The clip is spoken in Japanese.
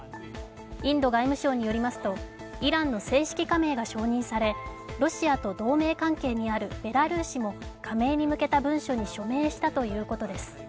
インド外務省によりますとイランの正式加盟が承認されロシアと同盟関係にあるベラルーシも加盟に向けた文書に署名したということです。